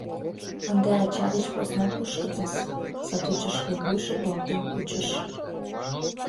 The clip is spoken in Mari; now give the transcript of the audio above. Ынде ача деч посна кушкытыс, — сатучо шке вуйжым руалтен кучыш.